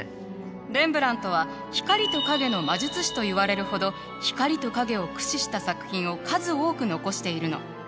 レンブラントは光と影の魔術師といわれるほど光と影を駆使した作品を数多く残しているの。